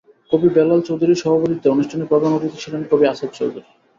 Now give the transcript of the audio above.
কবি বেলাল চৌধুরীর সভাপতিত্বে অনুষ্ঠানে প্রধান অতিথি ছিলেন কবি আসাদ চৌধুরী।